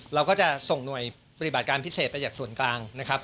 เราก็จะส่งหน่วยปฏิบัติการพิเศษไปจากส่วนกลางนะครับ